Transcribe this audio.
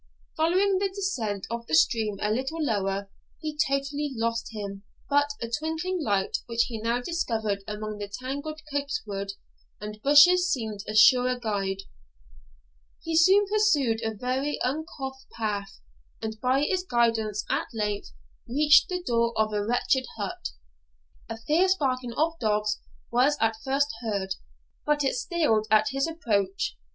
Following the descent of the stream a little lower, he totally lost him, but a twinkling light which he now discovered among the tangled copse wood and bushes seemed a surer guide. He soon pursued a very uncouth path; and by its guidance at length reached the door of a wretched hut. A fierce barking of dogs was at first heard, but it stilled at his approach.